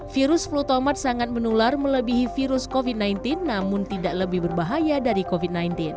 virus flutomer sangat menular melebihi virus covid sembilan belas namun tidak lebih berbahaya dari covid sembilan belas